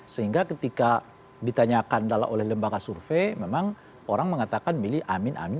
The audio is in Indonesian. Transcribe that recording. sehingga ketika ditanyakan oleh lembaga survei memang orang mengatakan milih amin amin